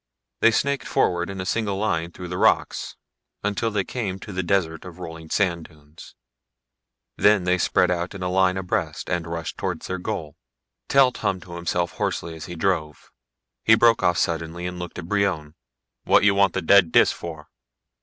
They snaked forward in a single line through the rocks, until they came to the desert of rolling sand dunes. Then they spread out in line abreast and rushed towards their goal. Telt hummed to himself hoarsely as he drove. He broke off suddenly and looked at Brion. "What you want the dead Dis for?"